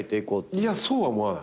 いやそうは思わない。